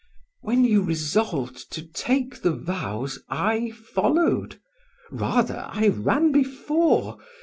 When you resolved to take the vows, I followed, rather, I ran before.